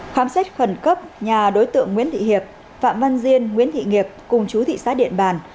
khám xét khẩn cấp nhà đối tượng nguyễn thị hiệp phạm văn diên nguyễn thị nghiệp cùng chú thị xã điện bàn